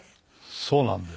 そうなんです。